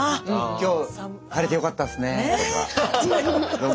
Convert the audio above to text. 「今日晴れてよかったっすね」とか。